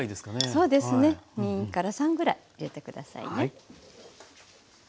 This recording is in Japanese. そうですね２から３ぐらい入れて下さいね。